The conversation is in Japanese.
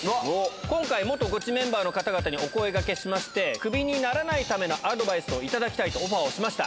今回、元ゴチメンバーの方々にお声がけしまして、クビにならないためのアドバイスを頂きたいとオファーをしました。